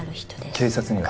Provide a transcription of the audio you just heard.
警察には？